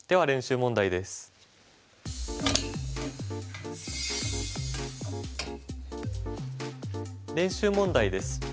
練習問題です。